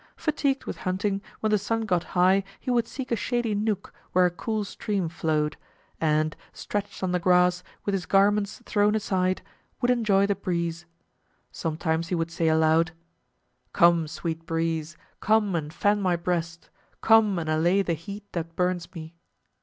Fatigued with hunting, when the sun got high he would seek a shady nook where a cool stream flowed, and, stretched on the grass, with his garments thrown aside, would enjoy the breeze. Sometimes he would say aloud, "Come, sweet breeze, come and fan my breast, come and allay the heat that burns me."